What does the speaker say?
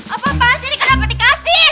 apa pas ini kenapa dikasih